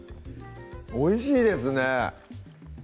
おいしいですね